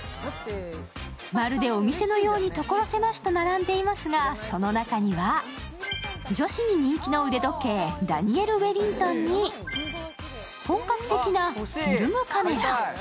まるでお店のように所狭しと並んでいますが、その中には女子に人気の腕時計、ＤＡＮＩＥＬＷＥＬＬＩＮＧＴＯＮに本格的なフィルムカメラ。